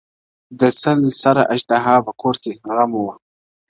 د سل سره اژدها په كور كي غم وو-